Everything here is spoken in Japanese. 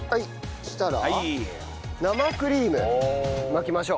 そしたら生クリーム巻きましょう。